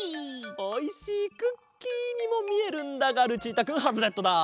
おいしいクッキーにもみえるんだがルチータくんハズレットだ！